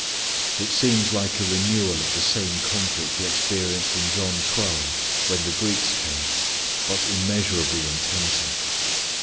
It seems like a renewal of the same conflict He experienced in John twelve when the Greeks came, but immeasurably intenser.